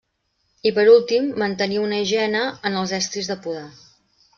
I per últim mantenir una higiene en els estris de podar.